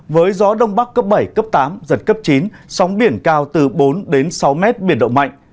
với gió đông bắc cấp bảy cấp tám giật cấp chín sóng biển cao từ bốn đến sáu mét biển động mạnh